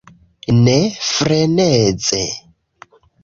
Ne freneze!